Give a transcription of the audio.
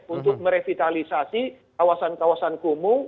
untuk merevitalisasi kawasan kawasan kumuh